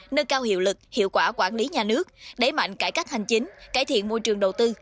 nâng cao hiệu lực hiệu quả quản lý nhà nước đẩy mạnh cải cách hành chính cải thiện môi trường đầu tư